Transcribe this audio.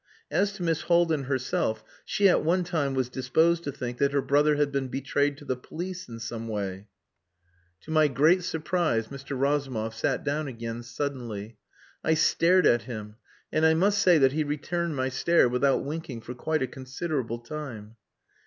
As to Miss Haldin herself, she at one time was disposed to think that her brother had been betrayed to the police in some way." To my great surprise Mr. Razumov sat down again suddenly. I stared at him, and I must say that he returned my stare without winking for quite a considerable time.